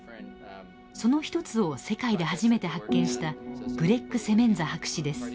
その一つを世界で初めて発見したグレッグセメンザ博士です。